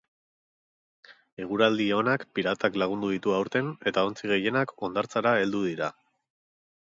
Eguraldi onak piratak lagundu ditu aurten, eta ontzi gehienak hondartzara heldu dira.